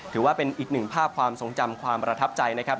ถือว่าเป็นอีกหนึ่งภาพความทรงจำความประทับใจนะครับ